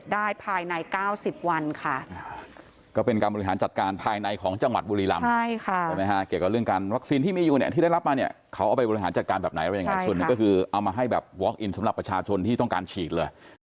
การแบบไหนว่ายังไงส่วนหนึ่งก็คือเอามาให้แบบสำหรับประชาชนที่ต้องการฉีกเลย